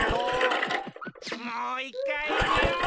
もういっかいいくよ！